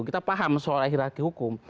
kita paham soal hiraki hukum